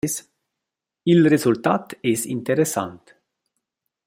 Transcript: Il resultat es interessant.